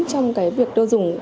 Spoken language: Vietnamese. trong việc tiêu dùng